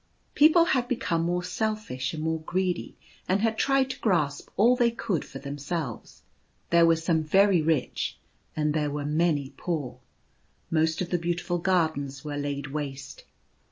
People had be come more selfish and more greedy, and had tried to grasp all they could for themselves. There were some very rich and there were many poor. Most of the beau tiful gardens were laid waste.